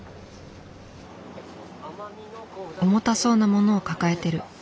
重たそうなものを抱えてる。